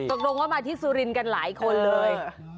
ตกลงว่ามาที่สุรินทร์กันหลายคนเลย